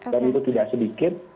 dan itu tidak sedikit